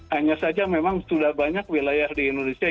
hanya saja memang sudah banyak wilayah di indonesia